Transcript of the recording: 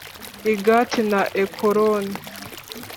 i Gati na Ekuroni